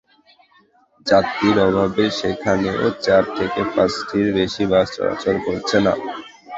যাত্রীর অভাবে সেখানেও চার থেকে পাঁচটির বেশি বাস চলাচল করছে না।